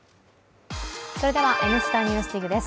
「Ｎスタ・ＮＥＷＳＤＩＧ」です。